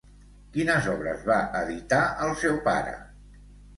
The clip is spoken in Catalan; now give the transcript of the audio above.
Quines obres va editar el seu pare?